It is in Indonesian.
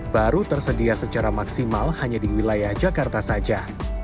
baru tersedia secara maksimal hanya di wilayah jakarta saja